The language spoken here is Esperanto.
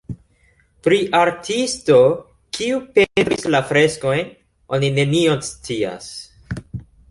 Pri artisto, kiu pentris la freskojn oni nenion scias.